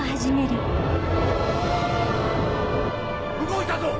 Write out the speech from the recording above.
動いたぞ！